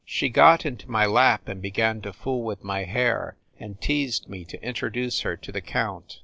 She got into my lap and began to fool with my hair and teased me to introduce her to the count.